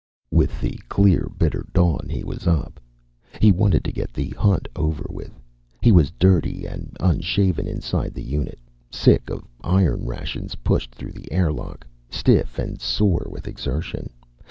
With the clear bitter dawn he was up. He wanted to get the hunt over with. He was dirty and unshaven inside the unit, sick of iron rations pushed through the airlock, stiff and sore with exertion.